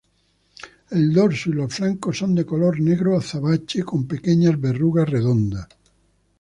El dorso y los flancos son de color negro azabache, con pequeñas verrugas redondas.